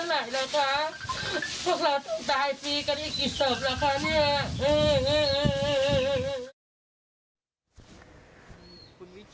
พวกเราต้องตายปีกันอีกกี่ศพหรือคะ